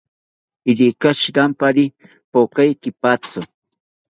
Irika shirampari pokae kipatzi